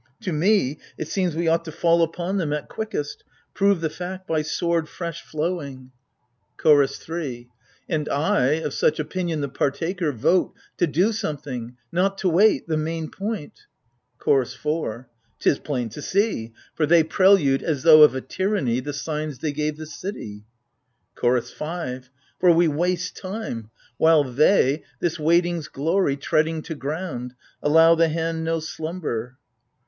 To me, it seems we ought to fall upon them At quickest — prove the tact by sword fresh flowing ! AGAMEMNON. i CHOROS 3. And I, of such opinion the partaker, Vote — to do something : not to wait — the main point ! CHORDS 4. 'T is plain to see : for they prelude as though of A tyranny the signs they gave the city. CHOROS 5. For we waste time ; while they, — this waiting's glory Treading to ground, — allow the hand no slumber.